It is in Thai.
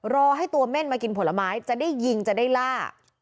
รอให้ตัวเม่นมากินผลไม้จะได้ยิงจะได้ล่า